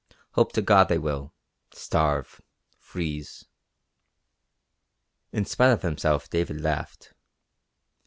Hope to God they will. Starve. Freeze." In spite of himself David laughed.